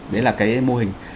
đấy là cái mô hình